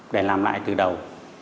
để làm lại từ đầu